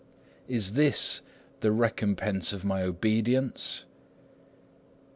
Is this the recompense of my obedience?